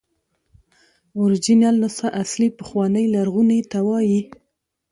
اوریجنل نسخه اصلي، پخوانۍ، لرغوني ته وایي.